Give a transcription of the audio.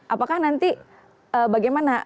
apakah nanti bagaimana